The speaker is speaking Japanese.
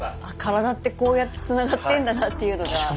体ってこうやってつながってんだなっていうのが。